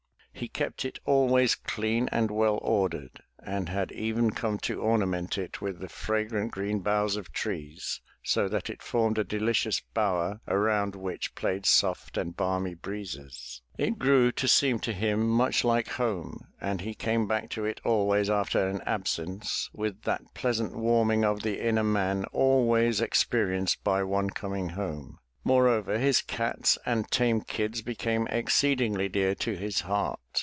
He kept it always clean and well ordered and had even come to ornament it with the fragrant green boughs of trees, so that it formed a delicious bower around which played soft and balmy breezes. It grew to seem to him much like home and he came back to it always after an absence with that pleasant warming of the inner man always experienced by one coming home. Moreover his cats and tame kids became exceedingly dear to his heart.